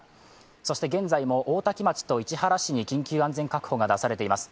そして現在も大多喜町と市原市に緊急安全確保が出されています。